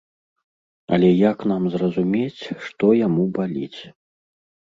Але як нам зразумець, што яму баліць?